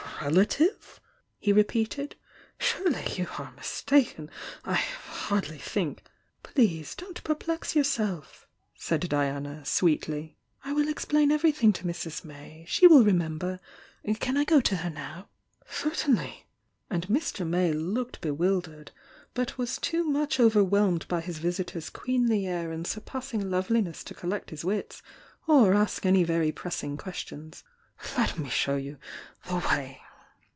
"A relative?" he repeated. "Surely you are mis taken?— I hardly think " "Please don't perplex yourself!" said Diana, sweet ly'. "I will explain everything to Mrs. May— she will remember! Qm I go to her now?" "Certainly!" and Mr. May looked bewildered, but was too much overwhelmed by his visitor's queenly air and surpassing loveliness to collect his wits, or ask any very pressing questions. "Let me show you the way!"